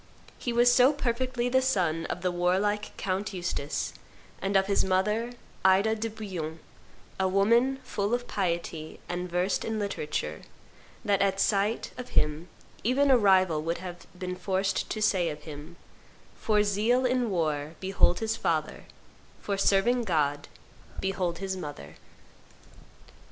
He was so perfectly the son of the warlike Count Eustace, and of his mother, Ida de Bouillon, a woman full of piety, and versed in literature, that at sight of him even a rival would have been forced to say of him, 'For zeal in war, behold his father; for serving God, behold his mother.